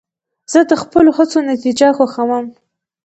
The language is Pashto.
زه د خپلو هڅو نتیجه خوښوم.